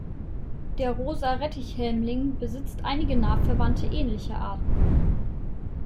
Der Rosa Rettich-Helmling besitzt einige nah verwandte ähnliche Arten.